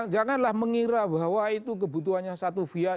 janganlah mengira bahwa itu kebutuhannya satu via